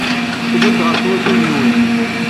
Ttsellimet ɣef twacult-nwen.